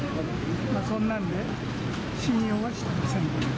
そんなんで、信用はしていません。